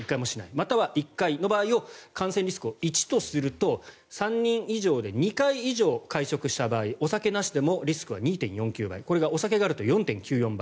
または１回の場合を感染リスクを１とすると３人以上で２回以上会食した場合お酒なしでもリスクは２．４９倍これがお酒があると４．９４倍。